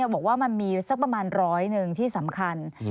บอกว่ามันมีสักประมาณร้อยหนึ่งที่สำคัญ